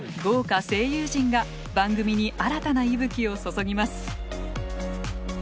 豪華声優陣が番組に新たな息吹を注ぎます。